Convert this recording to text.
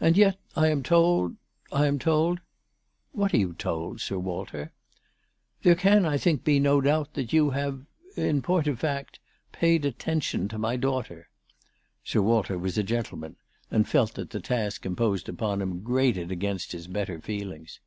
"And yet I am told, I am told "" What are you told, Sir Walter ?"" There can, I think, be no doubt that you have in point of fact, paid attention to my daughter." Sir Walter was a gentleman, and felt that the task imposed upon him grated against his better feelings.